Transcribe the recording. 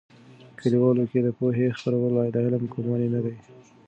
کلیوالو کې د پوهې خپرول، د علم کموالی نه دي.